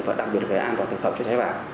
và đặc biệt là về an toàn thực phẩm cho trái vải